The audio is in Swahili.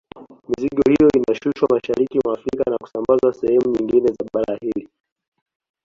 Mizigo hiyo inashushwa mashariki mwa Afrika na kusambazwa sehemu nyingine za bara hili